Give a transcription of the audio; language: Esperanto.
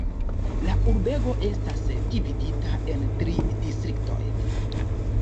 La urbego estas dividita en tri distriktojn.